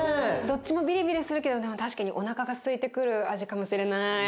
どっちもビリビリするけどでも確かにおなかがすいてくる味かもしれない。